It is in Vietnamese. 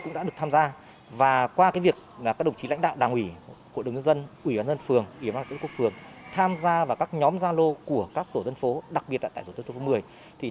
cộng đồng nhân dân ủy ban nhân phường ủy ban chủ tịch quốc phường tham gia vào các nhóm giao lô của các tổ dân phố đặc biệt là tại tổ dân phố một mươi